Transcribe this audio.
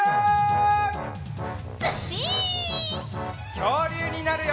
きょうりゅうになるよ！